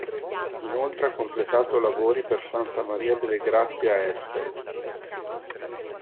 Inoltre ha completato lavori per Santa Maria delle Grazie a Este.